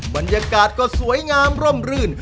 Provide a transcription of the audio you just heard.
บรรยากาศก็สวยงามร่มรื่น